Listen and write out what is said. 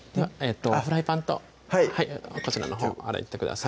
フライパンとこちらのほう洗いに行ってください